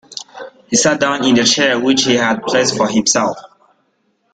He sat down in the chair which he had placed for himself.